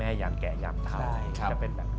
แม่โยนแก่ยามครับ